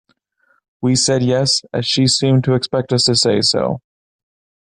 We said yes, as she seemed to expect us to say so.